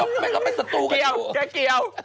เกลียว